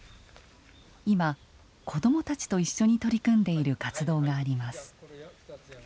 今子どもたちと一緒に取り組んでいる活動があります。